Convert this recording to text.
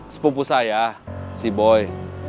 sepupu saya si boy